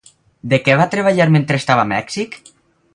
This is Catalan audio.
De què va treballar mentre estava a Mèxic?